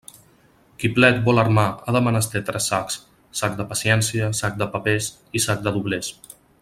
Qui plet vol armar ha de menester tres sacs; sac de paciència, sac de papers i sac de doblers.